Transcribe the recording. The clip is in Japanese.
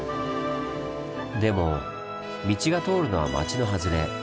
でも道が通るのは町の外れ。